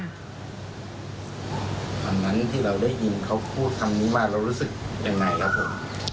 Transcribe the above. วันนั้นที่เราได้ยินเขาพูดคำนี้มาเรารู้สึกยังไงครับผม